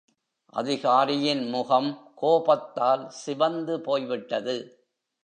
அதிகாரியின் முகம் கோபத்தால் சிவந்து போய்விட்டது.